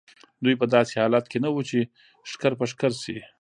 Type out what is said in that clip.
دوی په داسې حالت کې نه وو چې ښکر په ښکر شي.